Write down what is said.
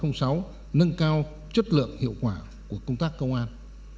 nâng cao chất lượng hiệu quả của công tác công an